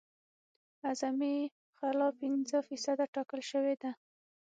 اعظمي خلا پنځه فیصده ټاکل شوې ده